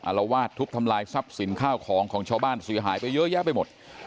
รวาสทุบทำลายทรัพย์สินข้าวของของชาวบ้านเสียหายไปเยอะแยะไปหมด